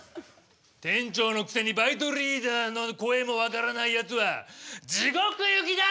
店長のくせにバイトリーダーの声もわからないやつはじごく行きだ！